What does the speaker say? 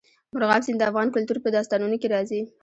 مورغاب سیند د افغان کلتور په داستانونو کې راځي.